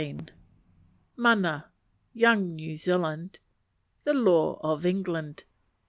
Mana. Young New Zealand. The Law of England.